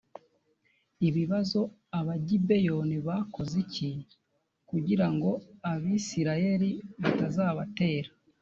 ibibazo abagibeyoni bakoze iki kugira ngo abisirayeli batazabatera